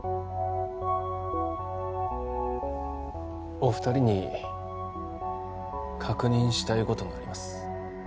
お二人に確認したいことがあります